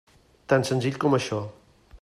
Tan senzill com això.